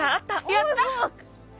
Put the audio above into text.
やった！